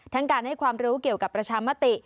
การให้ความรู้เกี่ยวกับประชามติ